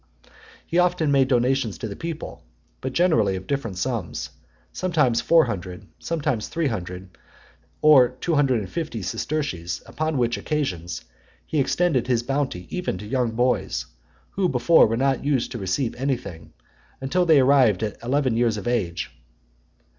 He often made donations to the people, but generally of different sums; sometimes four hundred, sometimes three hundred, or two hundred and fifty sesterces upon which occasions, he extended his bounty even to young boys, who before were not used to receive anything, until they arrived at eleven years of age.